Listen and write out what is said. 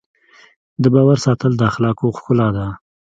د باور ساتل د اخلاقو ښکلا ده.